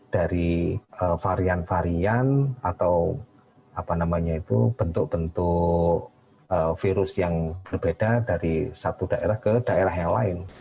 dari varian varian atau bentuk bentuk virus yang berbeda dari satu daerah ke daerah yang lain